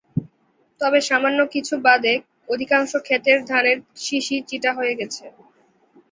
তবে সামান্য কিছু বাদে অধিকাংশ খেতের ধানের শীষই চিটা হয়ে গেছে।